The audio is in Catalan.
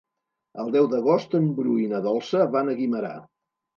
El deu d'agost en Bru i na Dolça van a Guimerà.